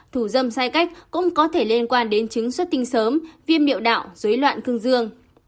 thủ dâm sai cách cũng có thể liên quan đến chứng xuất tinh sớm viêm miệng đạo dối loạn cương dương